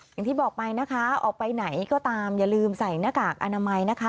อย่างที่บอกไปนะคะออกไปไหนก็ตามอย่าลืมใส่หน้ากากอนามัยนะคะ